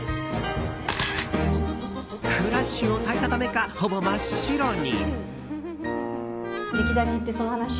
フラッシュをたいたためかほぼ真っ白に。